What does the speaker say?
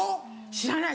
知らない！